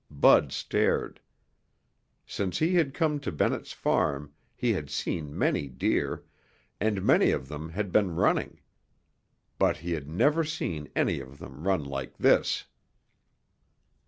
Bud stared. Since he had come to Bennett's Farm he had seen many deer, and many of them had been running. But he had never seen any of them run like this.